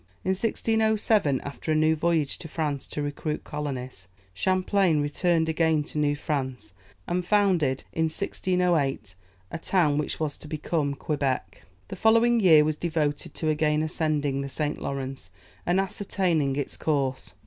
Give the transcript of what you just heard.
In 1607, after a new voyage to France to recruit colonists, Champlain returned again to New France, and founded, in 1608, a town which was to become Quebec. The following year was devoted to again ascending the St. Lawrence, and ascertaining its course.